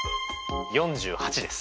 ４８です。